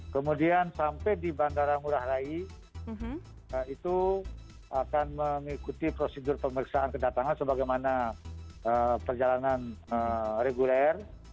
kemudian sampai di bandara ngurah rai itu akan mengikuti prosedur pemeriksaan kedatangan sebagaimana perjalanan reguler